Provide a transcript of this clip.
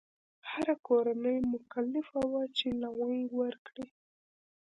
هره کورنۍ مکلفه وه چې لونګ ورکړي.